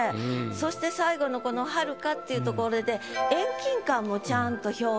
そして最後のこの「はるか」っていうところで。